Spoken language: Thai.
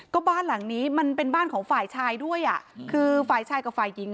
ก็บ้านหลังนี้มันเป็นบ้านของฝ่ายชายด้วยอ่ะคือฝ่ายชายกับฝ่ายหญิง